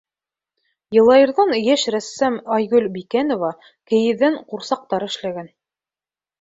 Йылайырҙан йәш рәссам Айгөл Бикәнова кейеҙҙән ҡурсаҡтар эшләгән.